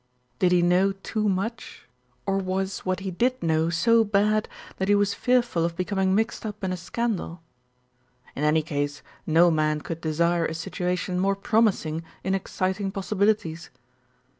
Did he know too much, or was what he did know so bad that he was fearful of becoming mixed up in a scandal? In any case no man could desire a situation more promising in exciting possibilities.